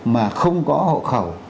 mà không có hộ khẩu